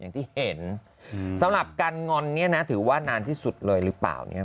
อย่างที่เห็นสำหรับการงอนเนี่ยนะถือว่านานที่สุดเลยหรือเปล่าเนี่ย